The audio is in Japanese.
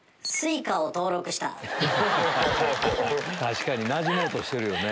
確かになじもうとしてるよね。